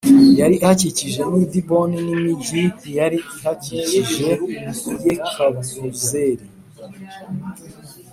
Yari ihakikije n i diboni n imigi yari ihakikije i yekabuzeri